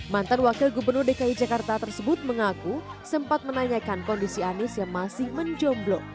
mantan wakil gubernur dki jakarta tersebut mengaku sempat menanyakan kondisi anies yang masih menjomblo